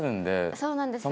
そうなんですよ。